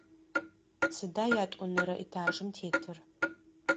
Сыда ятӏонэрэ этажым тетыр?